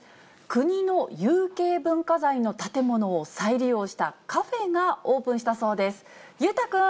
国の有形文化財の建物を再利用したカフェがオープンしたそうです。